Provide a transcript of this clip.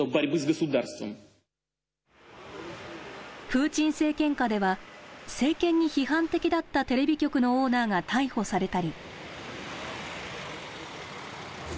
プーチン政権下では、政権に批判的だったテレビ局のオーナーが逮捕されたり。